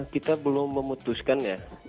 kita belum memutuskan ya